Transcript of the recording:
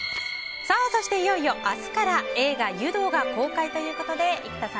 そして、いよいよ明日から映画「湯道」が公開ということで生田さん